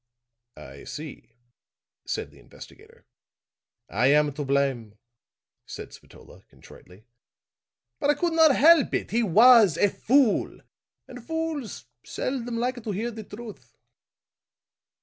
"I see," said the investigator. "I am to blame," said Spatola, contritely. "But I could not help it. He was a fool, and fools seldom like to hear the truth."